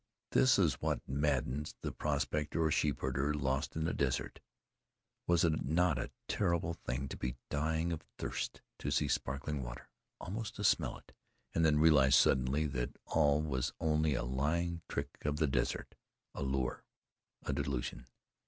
This is what maddens the prospector or sheep herder lost in the desert. Was it not a terrible thing to be dying of thirst, to see sparkling water, almost to smell it and then realize suddenly that all was only a lying track of the desert, a lure, a delusion?